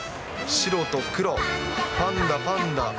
白と黒、パンダ、パンダ。